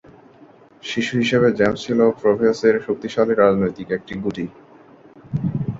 শিশু হিসেবে জেমস ছিল প্রোঁভেস-এর শক্তিশালী রাজনীতির এক গুটি।